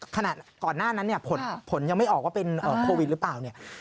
ขนาดก่อนหน้านั้นผลยังไม่ออกว่าเป็นโควิดหรือเปล่า